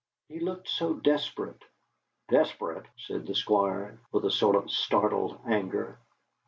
"He looked so desperate." "Desperate?" said the Squire, with a sort of startled anger.